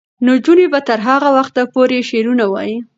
نجونې به تر هغه وخته پورې شعرونه وايي.